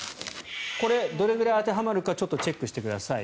これ、どれくらい当てはまるかチェックしてください。